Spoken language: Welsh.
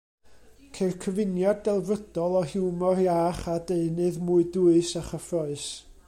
Ceir cyfuniad delfrydol o hiwmor iach a deunydd mwy dwys a chyffrous.